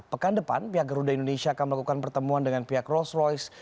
pekan depan pihak garuda indonesia akan melakukan pertemuan dengan pihak rolls royce